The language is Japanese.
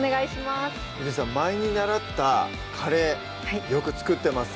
ゆりさん前に習ったカレーよく作ってます